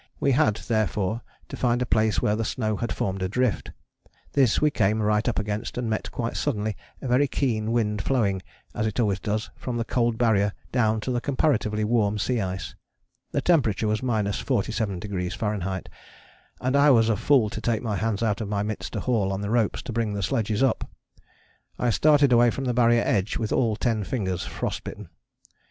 We had therefore to find a place where the snow had formed a drift. This we came right up against and met quite suddenly a very keen wind flowing, as it always does, from the cold Barrier down to the comparatively warm sea ice. The temperature was 47° F., and I was a fool to take my hands out of my mitts to haul on the ropes to bring the sledges up. I started away from the Barrier edge with all ten fingers frost bitten.